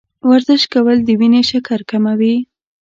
ورزش کول د وینې شکر کموي.